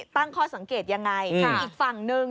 ตั้งข้อสังเกตยังไง